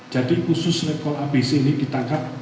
jadi khusus sekolah abc ini ditangkap